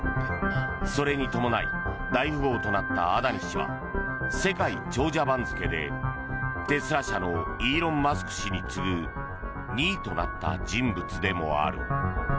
それに伴い大富豪となったアダニ氏は世界長者番付で、テスラ社のイーロン・マスク氏に次ぐ２位となった人物でもある。